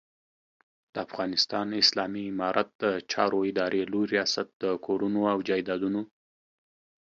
د افغانستان اسلامي امارت د چارو ادارې لوی رياست د کورونو او جایدادونو